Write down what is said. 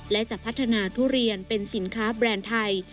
และจะพัฒนาทุเรียนเป็นสินค้าแบรนด์ไทย